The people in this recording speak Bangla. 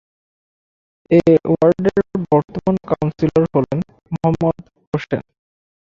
এ ওয়ার্ডের বর্তমান কাউন্সিলর হলেন মোহাম্মদ হোসেন।